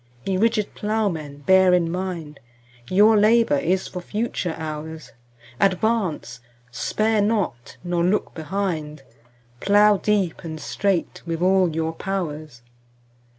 Ye rigid Ploughmen, bear in mind Your labour is for future hours: Advance—spare not—nor look behind— 15 Plough deep and straight with all your powers!